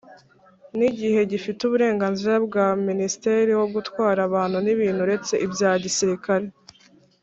ni gihe gifite uburenganzira bwa ministre wo gutwara abantu n’ibintu uretse ibya gisirikare